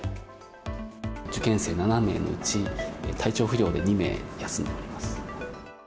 受験生７名のうち、体調不良で２名、休んでます。